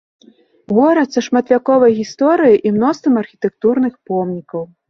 Горад са шматвяковай гісторыяй і мноствам архітэктурных помнікаў.